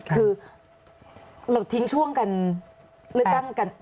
คือเราทิ้งช่วงกันเลือกตั้งกัน